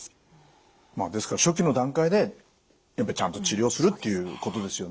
ですから初期の段階でちゃんと治療するということですよね。